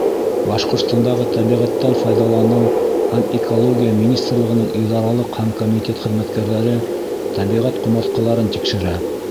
Башҡортостандағы Тәбиғәттән файҙаланыу һәм экология министрлығының идаралыҡ һәм комитет хеҙмәткәрҙәре тәбиғәт ҡомартҡыларын тикшерә.